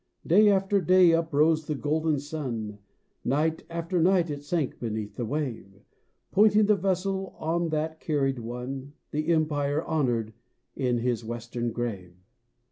Day after day uprose the golden sun, Night after night it sank beneath the wave, Pointing the vessel on that carried one The Empire honored to his western grave.